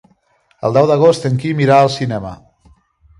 El deu d'agost en Quim irà al cinema.